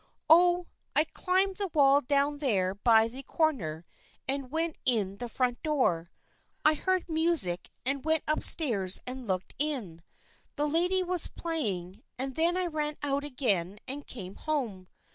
" Oh, I climbed the wall down there by the cor ner, and went in the front door. I heard music and went up stairs and looked in. The lady was playing and then I ran out again and came home.